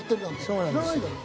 そうなんですよ。